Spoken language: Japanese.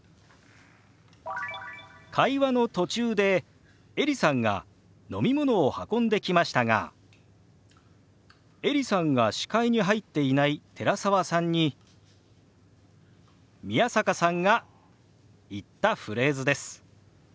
会話の途中でエリさんが飲み物を運んできましたがエリさんが視界に入っていない寺澤さんに宮坂さんが言ったフレーズです。